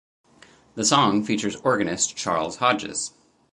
The song features organist Charles Hodges.